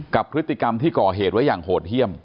กับพฤติกรรมที่ก่อเหตุไว้อย่างโหดเยี่ยม